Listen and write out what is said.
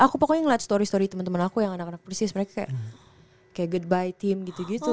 aku pokoknya ngeliat story story temen temen aku yang anak anak persis mereka kayak goodbye team gitu gitu